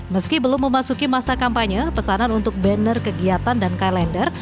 meski belum memasuki masa kampanye pesanan untuk banner kegiatan dan kailender